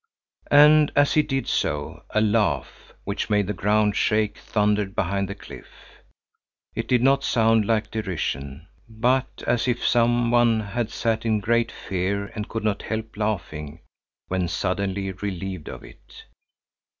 And as he did so a laugh, which made the ground shake, thundered behind the cliff. It did not sound like derision, but as if some one had sat in great fear and could not help laughing, when suddenly relieved of it.